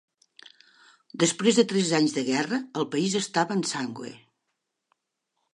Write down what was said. Després de tres anys de guerra, el país estava exsangüe.